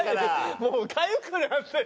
もうかゆくなってる。